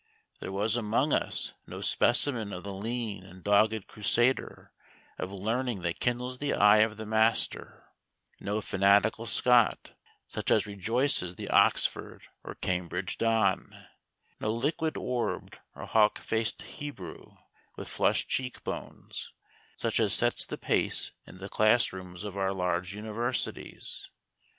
There was among us no specimen of the lean and dogged crusader of learning that kindles the eye of the master: no fanatical Scot, such as rejoices the Oxford or Cambridge don; no liquid orbed and hawk faced Hebrew with flushed cheek bones, such as sets the pace in the class rooms of our large universities.